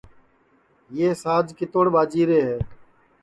یو ساج کِتوڑ ٻاجیرے ہے